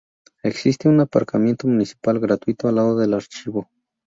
Existe un aparcamiento municipal gratuito al lado del Archivo.